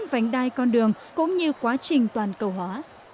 vành đai con đường cũng như quá trình toàn cầu hóa